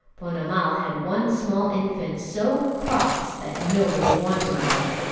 Ponnamal had one small infant so cross that nobody wanted her.